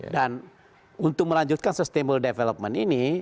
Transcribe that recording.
dan untuk melanjutkan sustainable development ini